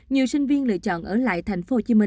nhiều sinh viên lựa chọn ở lại tp hcm